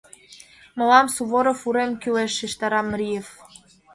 — Мылам Суворов урем кӱлеш, — шижтара Мриев.